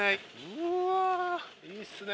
うわ良いっすね。